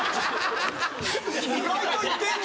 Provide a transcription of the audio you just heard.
意外と行ってんだ。